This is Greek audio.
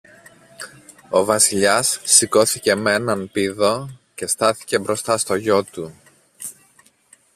Ο Βασιλιάς σηκώθηκε μ' έναν πήδο και στάθηκε μπροστά στο γιο του